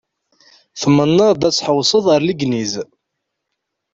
Tmennaḍ-d ad tḥewwseḍ ar Legniz.